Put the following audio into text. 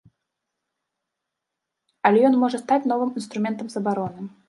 Але ён можа стаць новым інструментам забароны.